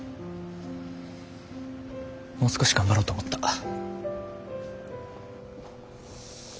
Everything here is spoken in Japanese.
もう少し頑張ろうと思った。